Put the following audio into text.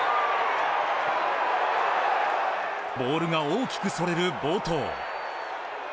ボールが大きくそれる暴投。